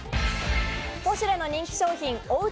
ポシュレの人気商品・おうち